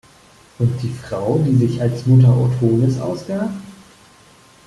Und die Frau, die sich als Mutter Ottones ausgab?